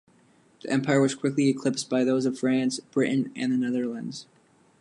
The empire was quickly eclipsed by those of France, Britain and the Netherlands.